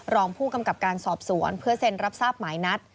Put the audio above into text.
รองผู้กำกับการสอบสวนเพื่อเซ็นรับทราบหมายนัด